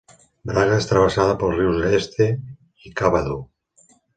Braga és travessada pels rius Este i Cávado.